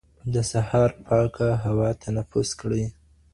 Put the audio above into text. د سهار پاکه هوا تنفس کړئ.